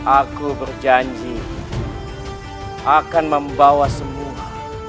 aku berjanji akan membawa semua